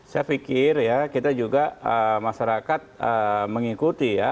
saya pikir ya kita juga masyarakat mengikuti ya